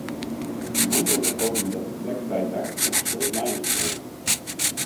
In goed ûnderholden en lekfrij dak komt in soad lijen tefoaren.